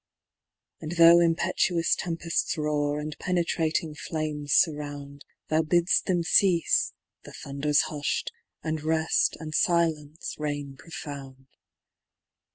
And though impetuous tempefts roar. And penetrating flames furround, Thou bid'il them ceafe— the thunder's hufli'd^ And reft and filence reign profound.